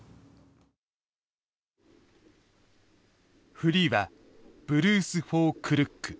フリーは「ブルース・フォー・クルック」。